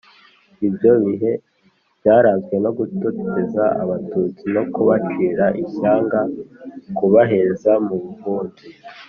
Ibyo bihe byaranzwe no gutoteza abatutsi no kubacira ishyanga kubaheza mu buhunzi